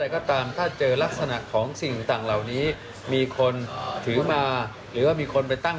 กลิ่นไม่มีกลิ่นด้วยครับ